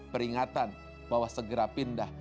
peringatan bahwa segera pindah